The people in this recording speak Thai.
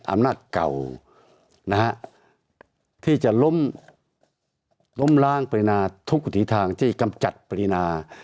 อำนาจเก่านะฮะที่จะล้มล้มล้างปรินาทุกวิถีทางที่กำจัดปรินา